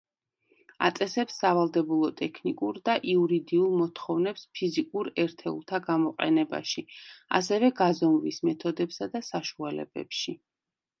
აწესებს სავალდებულო ტექნიკურ და იურიდიულ მოთხოვნებს ფიზიკურ ერთეულთა გამოყენებაში, ასევე გაზომვის მეთოდებსა და საშუალებებში.